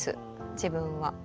自分は。